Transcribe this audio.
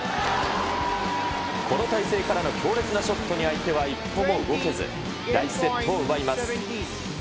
この体勢からの強烈なショットに相手は一歩も動けず、第１セットを奪います。